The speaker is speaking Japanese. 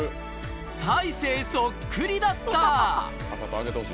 大勢そっくりだった！